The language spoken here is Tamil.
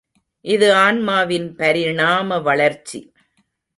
இது ஆன்மாவின் பரிணாம வளர்ச்சி.